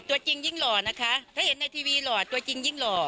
ตัวจริงยิ่งหล่อนะคะถ้าเห็นในทีวีหล่อตัวจริงยิ่งหล่อ